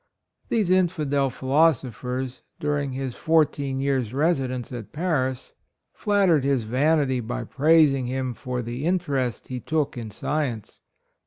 These infi del philosophers, during his four teen years' residence at Paris, flat tered his vanity by praising him for the interest he took in science.